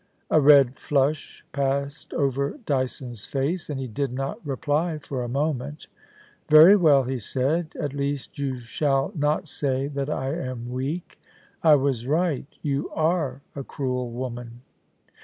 A red flush passed over Dyson's face, and he did not reply for a moment * Very well,' he said. * At least you shall not say that I am weak, I was right ; you are a cruel woman.'